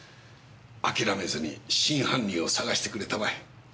あきらめずに真犯人を捜してくれたまえ。